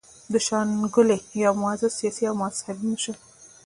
د شانګلې يو معزز سياسي او مذهبي مشر